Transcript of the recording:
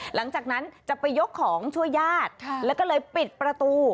หลังจากนั้นจะไปยกของช่วยญาติแล้วก็เลยปิดประตู